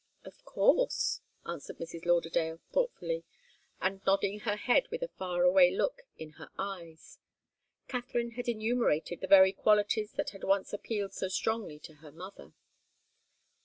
"Of course," answered Mrs. Lauderdale, thoughtfully, and nodding her head with a far away look in her eyes. Katharine had enumerated the very qualities that had once appealed so strongly to her mother.